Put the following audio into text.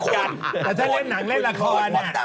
แต่ถ้าเล่นหนังเล่นละคร